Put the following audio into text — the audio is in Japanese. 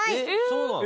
そうなの？